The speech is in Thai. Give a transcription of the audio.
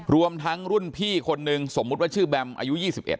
รวมทั้งรุ่นพี่คนนึงสมมุติว่าชื่อแบมอายุ๒๑